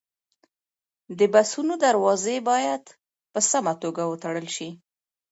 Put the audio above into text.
د بسونو دروازې باید په سمه توګه وتړل شي.